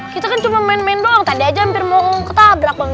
kita kan cuma main main doang tadi aja hampir mau ketabrak